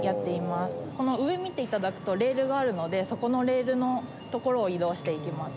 この上見て頂くとレールがあるのでそこのレールの所を移動していきます。